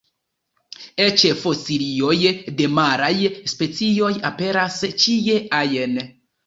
Eĉ fosilioj de maraj specioj aperas ĉie ajn.